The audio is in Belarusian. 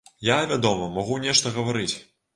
Я, вядома, магу нешта гаварыць.